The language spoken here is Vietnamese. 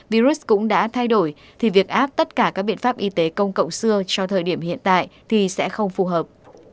virus cũng đã thay đổi thì việc áp tất cả các biện pháp y tế công cộng xưa cho thời điểm hiện tại thì sẽ không phù hợp